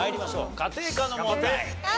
家庭科の問題。